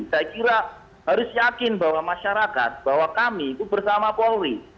saya kira harus yakin bahwa masyarakat bahwa kami itu bersama polri